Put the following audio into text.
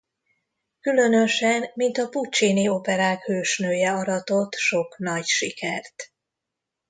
Különösen mint a Puccini-operák hősnője aratott sok nagy sikert.